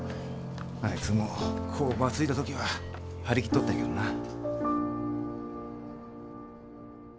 あいつも工場継いだ時は張り切っとったんやけどなぁ。